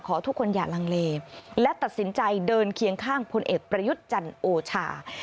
ทุกคนอย่าลังเลและตัดสินใจเดินเคียงข้างพลเอกประยุทธ์จันโอชา